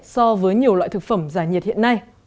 so với nhiều loại thực phẩm giải nhiệt hiện nay